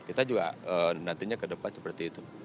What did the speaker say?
kita juga nantinya ke depan seperti itu